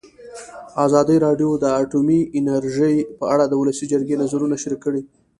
ازادي راډیو د اټومي انرژي په اړه د ولسي جرګې نظرونه شریک کړي.